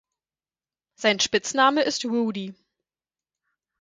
Sein Spitzname ist Rudy.